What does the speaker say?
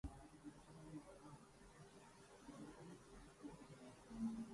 کس کا جنون دید تمنا شکار تھا